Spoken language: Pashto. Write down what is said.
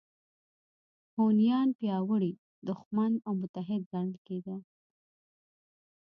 هونیان پیاوړی دښمن او متحد ګڼل کېده